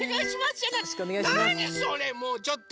なにそれもうちょっと！